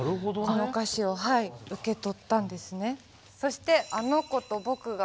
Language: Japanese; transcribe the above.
この歌詞を受け取ったんですね。